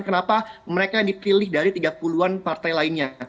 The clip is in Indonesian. kenapa mereka dipilih dari tiga puluh an partai lainnya